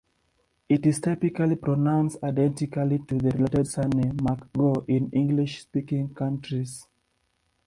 It is typically pronounced identically to the related surname McGraw in English-speaking countries.